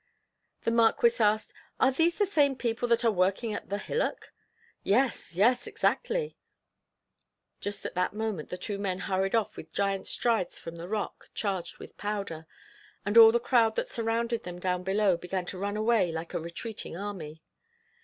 The Marquis asked: "Are these the same people that are working at the hillock?" "Yes, yes, exactly." Just at that moment the two men hurried off with giant strides from the rock charged with powder, and all the crowd that surrounded them down below began to run away like a retreating army.